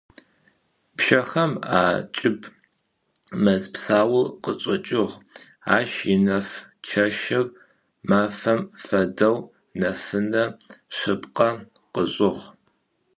Пщэхэм акӏыб мэз псаур къычӏэкӏыгъ, ащ инэф чэщыр мафэм фэдэу нэфынэ шъыпкъэ къышӏыгъ.